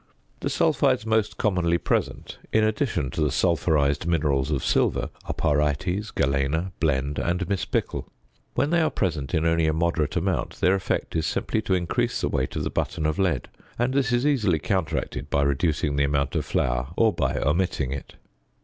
The sulphides most commonly present, in addition to the sulphurized minerals of silver, are pyrites, galena, blende, and mispickel. When they are present in only a moderate amount, their effect is simply to increase the weight of the button of lead; and this is easily counteracted by reducing the amount of flour, or by omitting it.